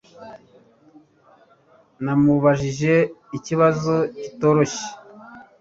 Namubajije ikibazo kitoroshye